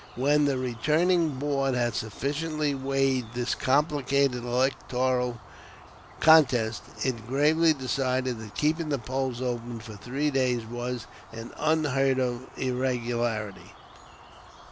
When the "returning board" had sufficiently weighed this complicated electoral contest, it gravely decided that keeping the polls open for three days was "an unheard of irregularity."